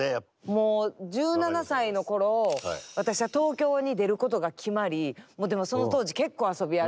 もう１７歳の頃私は東京に出ることが決まりでもその当時結構遊び歩いてて。